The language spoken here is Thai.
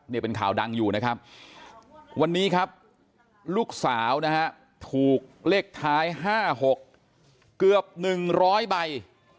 นี่เป็นข่าวดังอยู่นะครับวันนี้ครับลูกสาวนะฮะถูกเลขท้าย๕๖เกือบ๑๐๐ใบ